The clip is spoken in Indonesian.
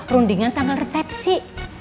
rundingan tanggal resepsi